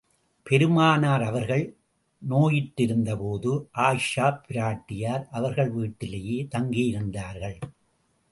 பெருமானார் அவர்கள் நோயுற்றிருந்த போது, ஆயிஷாப் பிராட்டியார் அவர்கள் வீட்டிலேயே தங்கியிருந்தார்கள்.